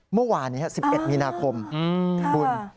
เมื่อวาน๑๑มีนาคมบุญ